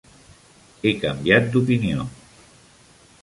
He canviat d'opinió.